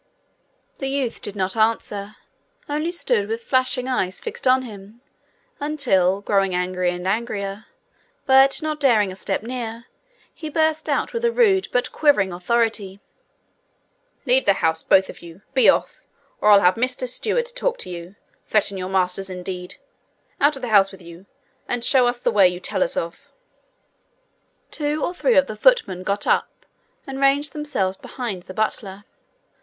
The youth did not answer, only stood with flashing eyes fixed on him, until, growing angrier and angrier, but not daring a step nearer, he burst out with a rude but quavering authority: 'Leave the house, both of you! Be off, or I'll have Mr Steward to talk to you. Threaten your masters, indeed! Out of the house with you, and show us the way you tell us of!' Two or three of the footmen got up and ranged themselves behind the butler.